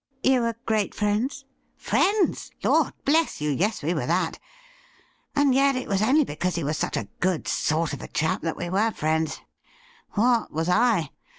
' You were great friends i"' ' Friends ! Lord bless you ! yes, we were that ! And yet it was only because he was such a good sort of a chap that we were friends. What was I